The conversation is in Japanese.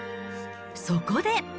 そこで。